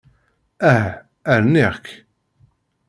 Ah! Rniɣ-k.